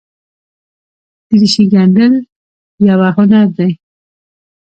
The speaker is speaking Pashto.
دریشي ګنډل یوه هنر دی.